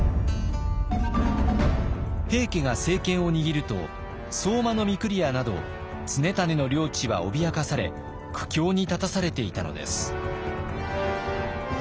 平家が政権を握ると相馬御厨など常胤の領地は脅かされ苦境に立たされていたのです。